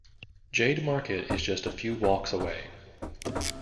Jade Market is just a few walks away.